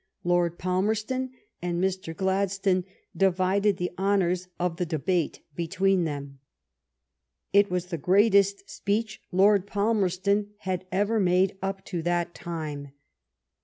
Lord Palmerston and Mr. Gladstone divided the honors of the debate between them. It was the greatest speech Lord Palmerston had ever made up to that time.